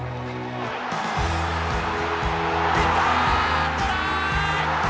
行った！トライ！